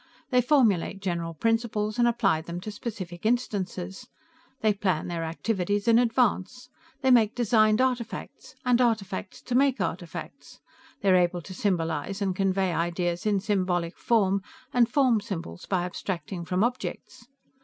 They formulate general principles, and apply them to specific instances. They plan their activities in advance. They make designed artifacts, and artifacts to make artifacts. They are able to symbolize, and convey ideas in symbolic form, and form symbols by abstracting from objects.